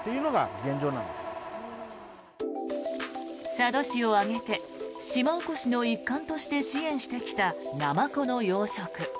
佐渡市を挙げて島おこしの一環として支援してきたナマコの養殖。